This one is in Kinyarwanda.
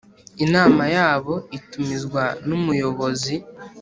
Inama yabo itumizwa n umuyobozi